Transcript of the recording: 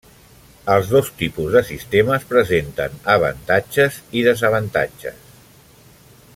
Els dos tipus de sistemes presenten avantatges i desavantatges.